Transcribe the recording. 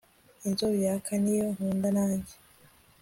inzobe yaka niyo nkunda nange